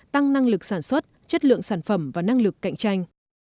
tăng năng lực sản xuất chất lượng sản phẩm và năng lực cạnh tranh